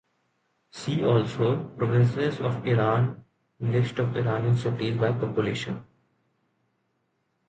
See also: Provinces of Iran, List of Iranian cities by population.